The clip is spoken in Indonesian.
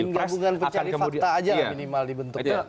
yang gabungan pencari fakta saja minimal dibentukkan